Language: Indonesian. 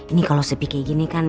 ini kalau sepi kayak gini kan